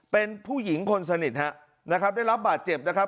เป็นผู้หญิงคนสนิทฮะนะครับได้รับบาดเจ็บนะครับ